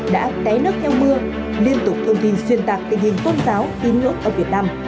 đã té nước theo mưa liên tục thông tin xuyên tạc tình hình tôn giáo tín ngưỡng ở việt nam